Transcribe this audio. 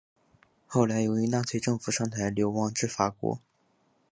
后来由于纳粹政府上台流亡至法国。